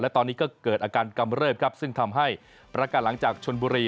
และตอนนี้ก็เกิดอาการกำเริบครับซึ่งทำให้ประกาศหลังจากชนบุรี